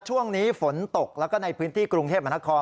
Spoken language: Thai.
ช่วงนี้ฝนตกแล้วก็ในพื้นที่กรุงเทพมหานคร